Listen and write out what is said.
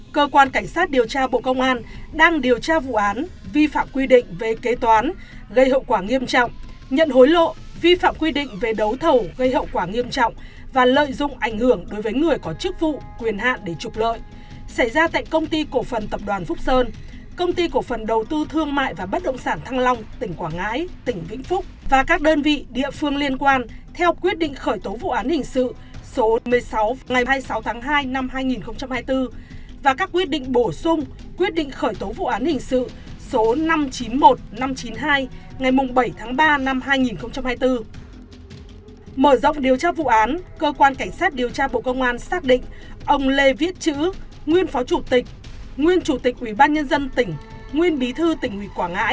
cơ quan cảnh sát điều tra bộ công an vừa khởi tố bị can bắt tạm giam thêm hai người là lãnh đạo tỉnh quảng ngãi điều tra việc nhận hối lộ của nguyễn văn hậu để tạo điều kiện cho các dự án